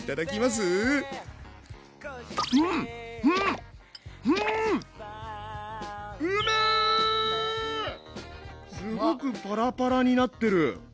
すごくパラパラになってる。